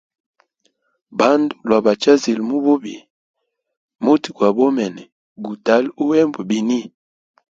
Bandu lwa bachwizile mu bubi, muti gwa bomene gutalu hembwa bini?